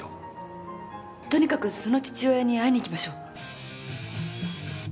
とにかくその父親に会いに行きましょう。